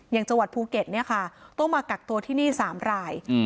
จังหวัดภูเก็ตเนี่ยค่ะต้องมากักตัวที่นี่๓ราย